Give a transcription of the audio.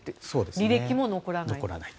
履歴も残らないと。